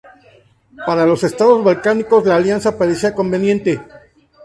Para los Estados balcánicos, la alianza parecía conveniente.